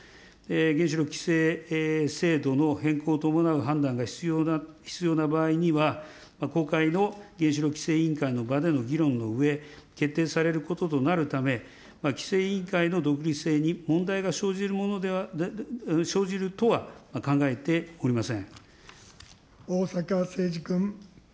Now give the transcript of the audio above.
原子力規制制度の変更を伴う判断が必要な場合には、公開の原子力規制委員会での場で議論のうえ、決定されることとなるため、規制委員会の独立性に問題が生じるものでは、生じるとは逢坂誠二君。